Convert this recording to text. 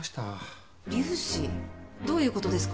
どういう事ですか？